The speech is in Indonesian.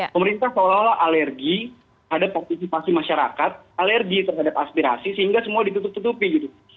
pemerintah seolah olah alergi terhadap partisipasi masyarakat alergi terhadap aspirasi sehingga semua ditutup tutupi gitu